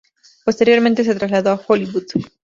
Posteriormente se trasladó a Hollywood.